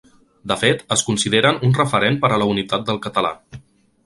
De fet, es consideren un referent per a la unitat del català.